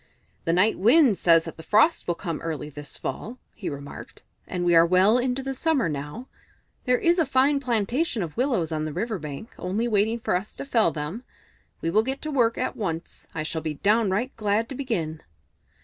"The Night Wind says that the frosts will come early this fall," he remarked, "and we are well into the summer now. There is a fine plantation of willows on the river bank, only waiting for us to fell them. We will get to work at once. I shall be downright glad to begin."